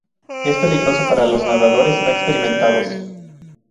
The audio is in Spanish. Es peligroso para los nadadores no experimentados.